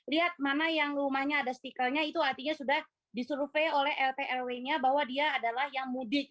lihat mana yang rumahnya ada stikernya itu artinya sudah disurvey oleh rt rw nya bahwa dia adalah yang mudik